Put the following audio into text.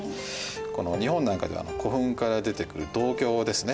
この日本なんかでは古墳から出てくる銅鏡ですね。